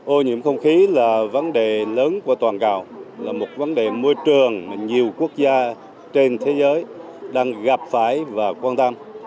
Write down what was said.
ô nhiễm không khí là vấn đề lớn của toàn cầu là một vấn đề môi trường mà nhiều quốc gia trên thế giới đang gặp phải và quan tâm